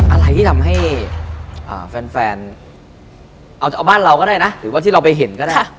อะไรที่ทำให้แฟนเอาบ้านเราก็ได้นะหรือว่าที่เราไปเห็นก็ได้